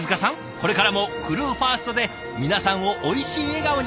これからもクルーファーストで皆さんをおいしい笑顔に。